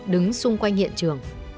đứng xung quanh hiện trường